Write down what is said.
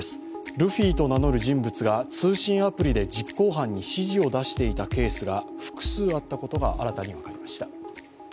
ルフィと名乗る人物が通信アプリで実行犯に指示を出していたケースが複数あったことが新たに分かりました。